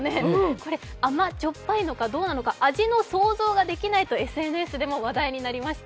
これ、甘じょっぱいのかどうなのか味の想像ができないとＳＮＳでも話題になりました。